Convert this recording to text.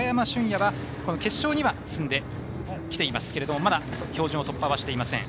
野は決勝には進んできていますがまだ、標準の突破はしていません。